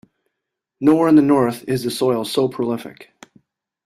Nowhere in the North is the soil so prolific.